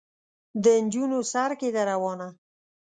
د نجونو سر کې ده روانه.